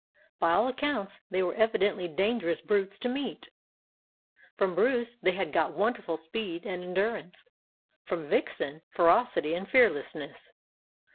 "By all accounts they were evidently dangerous brutes to meet. From Bruce they had got wonderful speed and endurance; from Vixen, ferocity and fearlessness.